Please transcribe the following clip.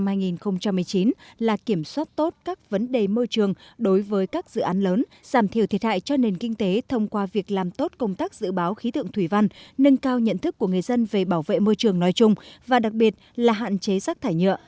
một số kết quả đáng chú ý mà ngành tài nguyên môi trường đã đạt được trong năm hai nghìn một mươi chín là kiểm soát tốt các vấn đề môi trường đối với các dự án lớn giảm thiểu thiệt hại cho nền kinh tế thông qua việc làm tốt công tác dự báo khí tượng thủy văn nâng cao nhận thức của người dân về bảo vệ môi trường nói chung và đặc biệt là hạn chế sắc thải nhựa